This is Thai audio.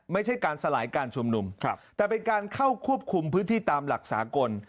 ไม่ใช่การสลายการชุมนุมแต่เป็นการเข้าควบคุมพื้นที่ตามหลักสากล